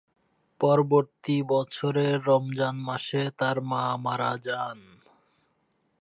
পরবর্তী বছরের রমজান মাসে তার মা মারা যান।